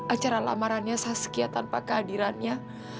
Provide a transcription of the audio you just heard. acara lamarannya saskiat tanpa kehadirannya